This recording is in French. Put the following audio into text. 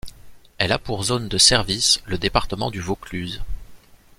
Elle a pour zone de service le département du Vaucluse.